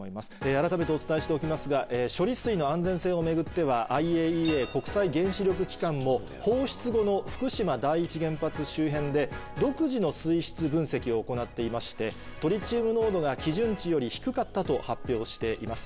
あらためてお伝えしておきますが処理水の安全性を巡ってはＩＡＥＡ国際原子力機関も放出後の福島第一原発周辺で独自の水質分析を行っていましてトリチウム濃度が基準値より低かったと発表しています。